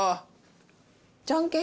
じゃんけん。